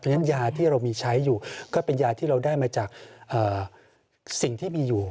เพราะฉะนั้นยาที่เรามีใช้อยู่ก็เป็นยาที่เราได้มาจากสิ่งที่มีอยู่